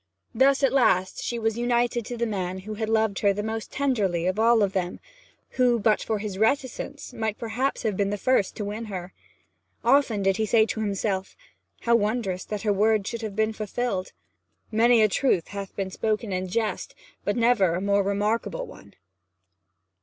Thus at last she was united to the man who had loved her the most tenderly of them all, who but for his reticence might perhaps have been the first to win her. Often did he say to himself; 'How wondrous that her words should have been fulfilled! Many a truth hath been spoken in jest, but never a more remarkable one!'